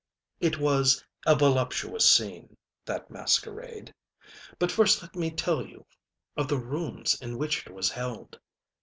It was a voluptuous scene, that masquerade. But first let me tell of the rooms in which it was held.